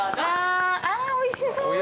あおいしそう。